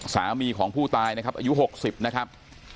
สามีของผู้ตายนะครับอายุ๖๐นะครับ